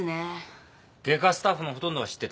外科スタッフのほとんどが知ってた。